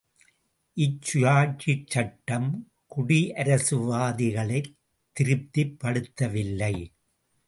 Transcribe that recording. இச்சுயாட்சிச்சட்டம் குடியரசுவாதிகளைத் திருப்திப்படுத்தவில்லை.